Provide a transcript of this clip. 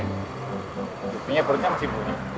hukumnya perutnya masih bunyi